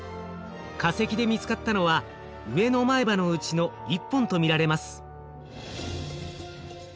化石で見つかったのは上の前歯のうちの１本と見られます。